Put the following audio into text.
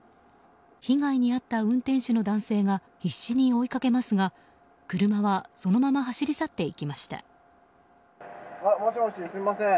被害に遭った運転手の男性が必死に追いかけますが、車はそのまま走り去っていきました。